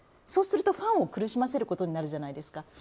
そうするとファンを苦しませることになるわけじゃないですか。